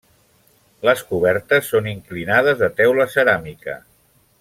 Les cobertes són inclinades de teula ceràmica.